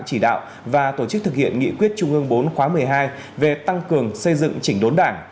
chỉ đạo và tổ chức thực hiện nghị quyết trung ương bốn khóa một mươi hai về tăng cường xây dựng chỉnh đốn đảng